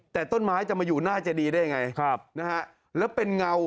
แต่ต้นไม้จะมาอยู่หน้าเจดีได้ยังไงครับนะฮะแล้วเป็นเงา